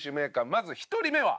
まず１人目は。